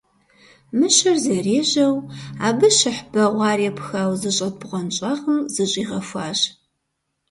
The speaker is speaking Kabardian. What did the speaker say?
Мыщэр зэрежьэу, абы щыхь бэгъуар епхауэ зыщӀэт бгъуэнщӀагъым зыщӀигъэхуащ.